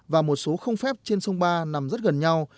và một số không phép trên sông ba nằm rất gần nhau